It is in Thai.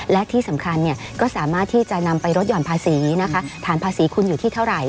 และที่สำคัญก็สามารถที่จะนำไปลดหย่อนภาษีนะคะฐานภาษีคุณอยู่ที่เท่าไหร่